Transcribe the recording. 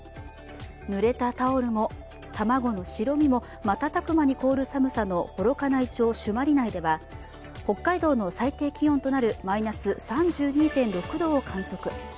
ぬれたタオルも卵の白身も瞬く間に凍る寒さの幌加内町朱鞠内では、北海道の最低気温となるマイナス３２．６度を観測。